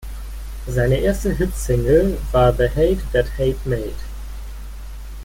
Seine erste Hit-Single war "The Hate That Hate Made".